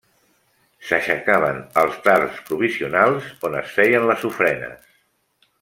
S'aixecaven altars provisionals on es feien les ofrenes.